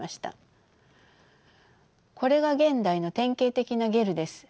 これが現代の典型的なゲルです。